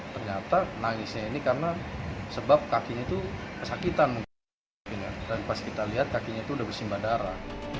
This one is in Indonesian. ternyata nangisnya ini karena sebab kakinya itu kesakitan mungkin dan pas kita lihat kakinya itu udah bersimbah darah